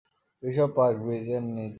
Bishop Park, ব্রিজের নিচে।